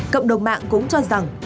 cộng đồng mạng cũng cho rằng